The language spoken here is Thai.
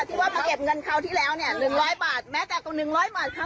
ที่ว่ามาเก็บเงินคราวที่แล้วเนี้ยหนึ่งร้อยบาทแม้แต่กับหนึ่งร้อยบาท